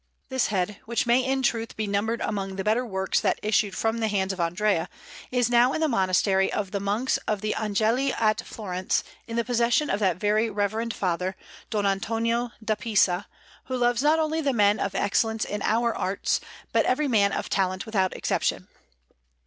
This head, which may in truth be numbered among the better works that issued from the hands of Andrea, is now in the Monastery of the Monks of the Angeli at Florence, in the possession of that very reverend father, Don Antonio da Pisa, who loves not only the men of excellence in our arts, but every man of talent without exception.